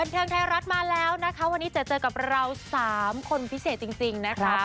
พุทธขยะรัดเลือดมาแล้วนะคะวันนี้จะเจอกับเรา๓คนพิเศษจริงนะคะ